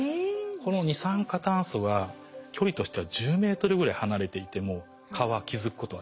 この二酸化炭素は距離としては１０ｍぐらい離れていても蚊は気付くことができます。